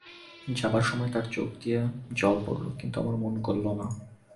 যাবার সময় তার চোখ দিয়ে জল পড়ল, কিন্তু আমার মন গলল না।